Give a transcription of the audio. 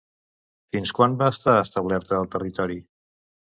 Fins quan va estar establerta al territori?